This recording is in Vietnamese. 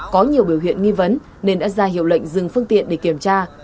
có nhiều biểu hiện nghi vấn nên đã ra hiệu lệnh dừng phương tiện để kiểm tra